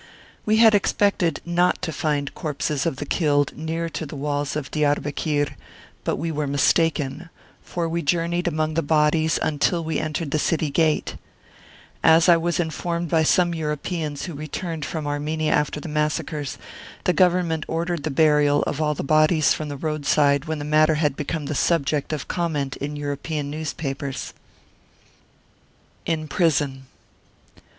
We had expected not to find corpses of the killed near to the walls of Diarbekir, but we were mistaken, for we journeyed among the bodies until we entered the city gate As I was informed by some Europeans who returned from Armenia after the massacres, the Government ordered the burial of all the bodies from the roadside when the matter had become the subject of comment in European newspapers. Ix PRISON.